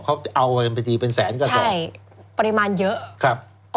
เขาเอาไปทีเป็นแสนกระสอบใช่ปริมาณเยอะครับ